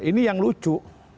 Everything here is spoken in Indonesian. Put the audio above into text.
ini yang lucu